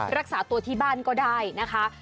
รักษาตัวที่บ้านก็ได้นะคะ